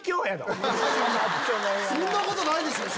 そんなことないですよ！